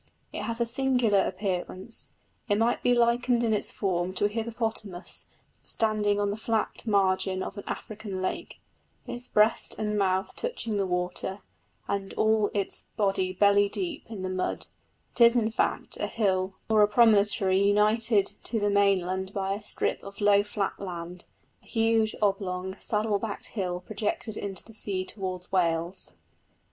It has a singular appearance: it might be likened in its form to a hippopotamus standing on the flat margin of an African lake, its breast and mouth touching the water, and all its body belly deep in the mud; it is, in fact, a hill or a promontory united to the mainland by a strip of low flat land a huge, oblong, saddle backed hill projected into the sea towards Wales.